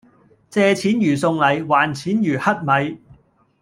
借錢如送禮，還錢如乞米